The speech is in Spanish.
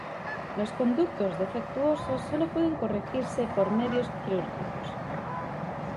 Los conductos defectuosos solo pueden corregirse por medios quirúrgicos.